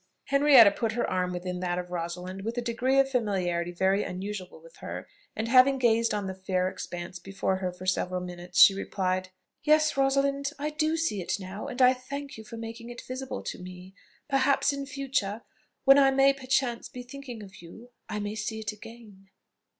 Henrietta put her arm within that of Rosalind with a degree of familiarity very unusual with her, and having gazed on the fair expanse before her for several minutes, she replied, "Yes, Rosalind, I do see it now, and I thank you for making it visible to me. Perhaps, in future, when I may perchance be thinking of you, I may see it again."